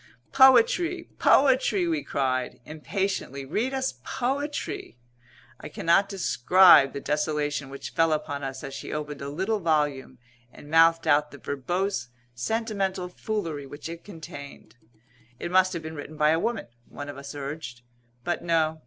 "Poetry! Poetry!" we cried, impatiently. "Read us poetry!" I cannot describe the desolation which fell upon us as she opened a little volume and mouthed out the verbose, sentimental foolery which it contained. "It must have been written by a woman," one of us urged. But no.